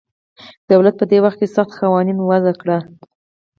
دولت په دې وخت کې سخت قوانین وضع کړل